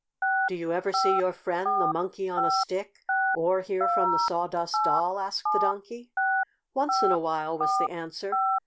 "Do you ever see your friend, the Monkey on a Stick, or hear from the Sawdust Doll?" asked the Donkey. "Once in a while," was the answer.